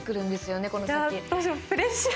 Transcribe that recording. プレッシャー。